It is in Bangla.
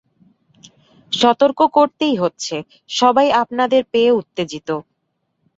সতর্ক করতেই হচ্ছে, সবাই আপনাদের পেয়ে উত্তেজিত।